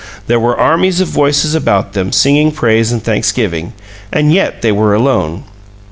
There were armies of voices about them singing praise and thanksgiving; and yet they were alone.